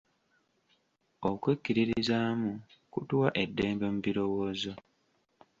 Okwekkiririzaamu kutuwa eddembe mu birowoozo.